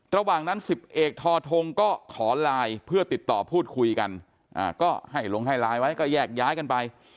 ระหว่างนั้น๑๐เอกทอทงก็ขอไลน์เพื่อติดต่อพูดคุยกันก็ให้ลงให้ไลน์ไว้ก็แยกย้ายกันไป